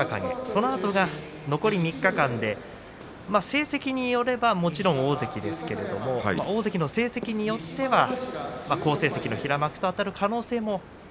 そのあと、残り３日間で成績によればもちろん大関ですけれど大関の成績によっては好成績の平幕とはあたる可能性も。